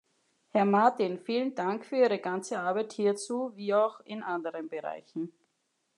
Herr Martin, vielen Dank für Ihre ganze Arbeit hierzu wie auch in anderen Bereichen.